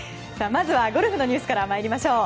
まずはゴルフのニュースからまいりましょう。